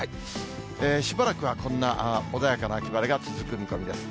しばらくはこんな穏やかな秋晴れが続く見込みです。